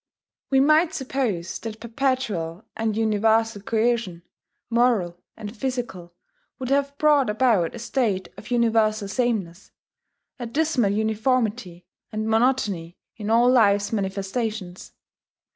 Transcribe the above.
We might suppose that perpetual and universal coercion, moral and physical, would have brought about a state of universal sameness, a dismal uniformity and monotony in all life's manifestations.